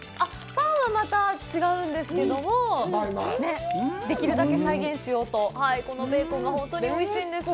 パンはまた違うんですけどもできるだけ再現しようとこのベーコンがほんとにおいしいんですよ